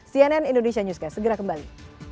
cnn indonesia newscast segera kembali